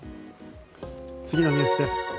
次のニュースです。